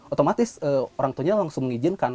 otomatis orang tuanya langsung mengizinkan